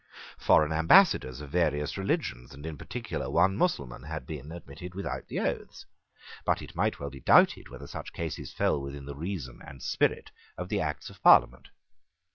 Foreign ambassadors of various religions, and in particular one Mussulman, had been admitted without the oaths. But it might well be doubted whether such cases fell within the reason and spirit of the Acts of Parliament.